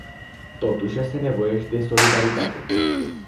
Totuși, este nevoie și de solidaritate.